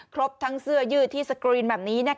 ครบทั้งเสื้อยืดที่สกรีนแบบนี้